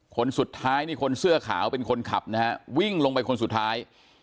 คนสุดท้ายนี่คนเสื้อขาวเป็นคนขับนะฮะวิ่งลงไปคนสุดท้าย